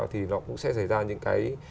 thì nó cũng sẽ xảy ra những cái